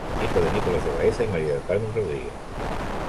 Hijo de Nicolás de Baeza y María del Carmen Rodríguez.